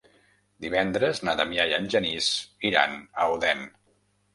Divendres na Damià i en Genís iran a Odèn.